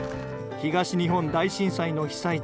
東日本大震災の被災地